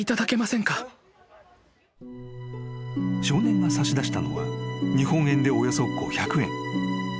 ［少年が差し出したのは日本円でおよそ５００円］